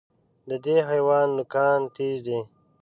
د دې حیوان نوکان تېز دي.